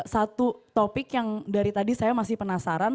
satu topik yang dari tadi saya masih penasaran